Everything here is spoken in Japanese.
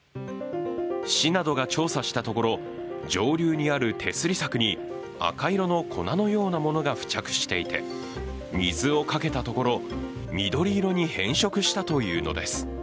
市などが調査したところ上流にある手すり柵に赤色の粉のようなものが付着していて水をかけたところ緑色に変色したというのです。